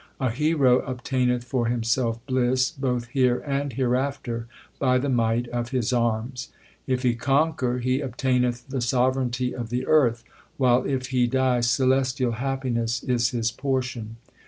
A hero obtaineth for himself bliss both here and hereafter by the might of his arms. If he conquer he obtaineth the sovereignty of the earth, while if he die celestial happiness is his portion.